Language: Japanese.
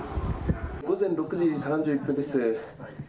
午前６時３１分です。